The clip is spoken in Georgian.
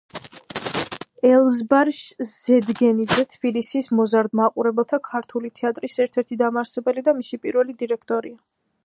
ელიზბარ ზედგენიძე თბილისის მოზარდ მაყურებელთა ქართული თეატრის ერთ-ერთი დამაარსებელი და მისი პირველი დირექტორია.